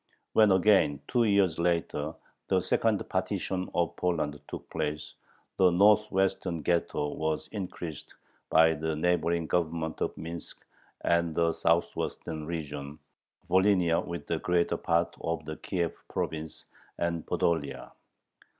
When again, two years later, the second partition of Poland took place, the northwestern ghetto was increased by the neighboring Government of Minsk and the southwestern region Volhynia with the greater part of the Kiev province and Podolia.